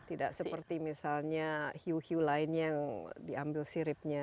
tidak seperti misalnya hiu hiu lain yang diambil siripnya